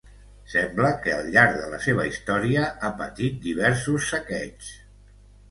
Sembla que al llarg de la seva història ha patit diversos saqueigs.